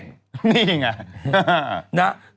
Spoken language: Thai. นี่ไง